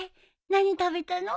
何食べたの？